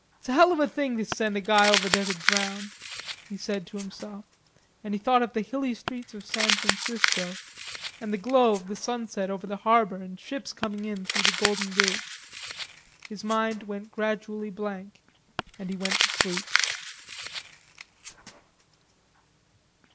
"It's a hell of a thing to send a guy over there to drown," he said to himself, and he thought of the hilly streets of San Francisco, and the glow of the sunset over the harbor and ships coming in through the Golden Gate. His mind went gradually blank and he went to sleep.